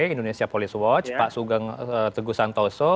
indonesia police watch pak sugeng teguh santoso